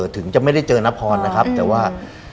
ถึงจะไม่ได้เจอนพรนะครับแต่ว่า